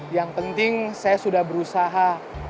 yang penting saya sudah berusaha